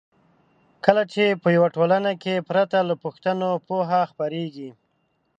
کله چې په یوه ټولنه کې پرته له پوښتنو پوهه خپریږي.